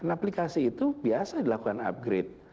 aplikasi itu biasa dilakukan upgrade